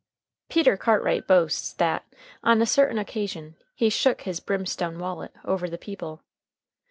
Peter Cartwright boasts that, on a certain occasion, he "shook his brimstone wallet" over the people.